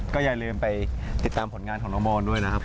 ก็อย่าลืมไปติดตามผลงานของน้องมอนด้วยนะครับ